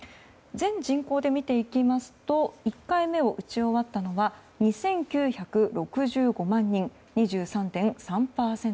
全人口で見ていきますと１回目を打ち終わったのは２９６５万人２３．３％。